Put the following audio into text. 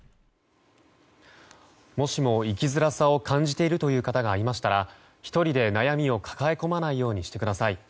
もしも生きづらさを感じているという方がいましたら、１人で悩みを抱えこまないようにしてください。